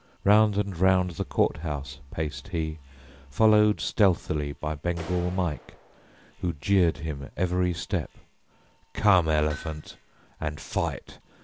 Round and round The court house paced he, followed stealthily By Bengal Mike, who jeered him every step: "Come, elephant, and fight!